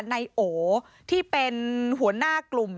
นายโอที่เป็นหัวหน้ากลุ่ม